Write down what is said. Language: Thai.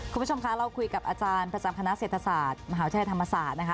คุณผู้ชมคะเราคุยกับอาจารย์ประจำคณะเศรษฐศาสตร์มหาวิทยาลัยธรรมศาสตร์นะคะ